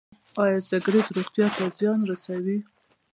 ایا سګرټ روغتیا ته زیان رسوي؟